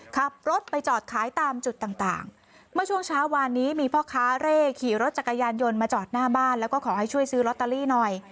ขับรถไปจอดขายตามจุดต่างต่างเมื่อช่วงเช้าวานนี้มีพ่อค้าเร่ขี่รถจักรยานยนต์มาจอดหน้าบ้านแล้วก็ขอให้ช่วยซื้อลอตเตอรี่หน่อย